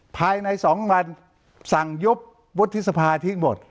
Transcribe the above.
ภายใน๒วันสั่งยุบวุฒิสภาทิ้งหมด